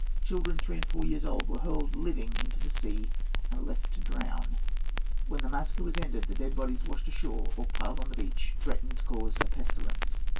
Children, three and four years old, were hurled, living, into the sea, and left to drown. When the massacre was ended, the dead bodies washed ashore, or piled on the beach, threatened to cause a pestilence."